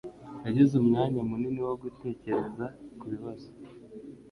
yagize umwanya munini wo gutekereza kubibazo.